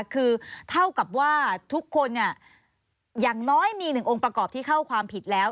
คือเท่ากับว่าทุกคนอย่างน้อยมีหนึ่งองค์ประกอบที่เข้าความผิดแล้ว